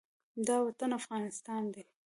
دا وطن افغانستان دی